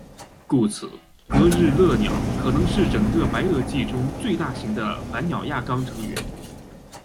故此格日勒鸟可能是整个白垩纪中最大型的反鸟亚纲成员。